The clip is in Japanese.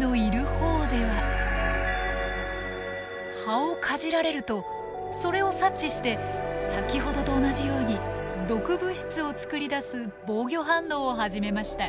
葉をかじられるとそれを察知して先ほどと同じように毒物質を作り出す防御反応を始めました。